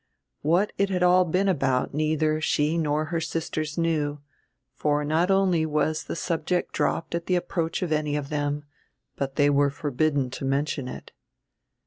What it had all been about neither she nor her sisters knew, for not only was the subject dropped at the approach of any of them but they were forbidden to mention it.